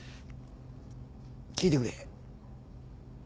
聞いてくれ。